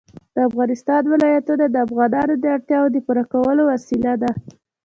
د افغانستان ولايتونه د افغانانو د اړتیاوو د پوره کولو وسیله ده.